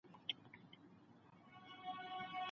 هم یې پلار هم یې نیکه ورڅخه هېر وي